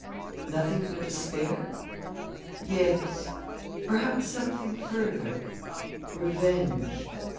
Nothing but despair? Yes; perhaps something further, revenge.